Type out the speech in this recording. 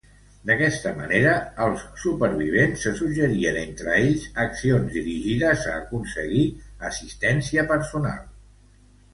D’aquesta manera, els supervivents se suggerien entre ells accions dirigides a aconseguir assistència personal.